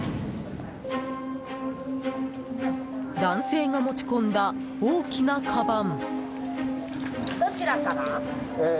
男性が持ち込んだ大きなかばん。